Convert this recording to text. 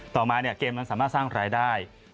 ต่อมาเกมนั้นสามารถสร้างรายได้